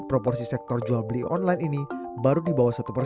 sektor ekonomi digital indonesia memang terus berkembang pesat